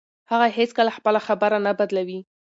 هغه هیڅکله خپله خبره نه بدلوي.